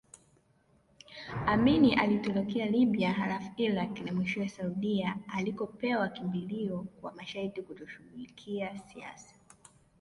Amin alitorokea Libya halafu Irak na mwishowe Saudia alikopewa kimbilio kwa masharti kutoshughulikia siasa